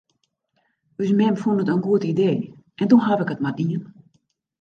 Us mem fûn it in goed idee en doe haw ik it mar dien.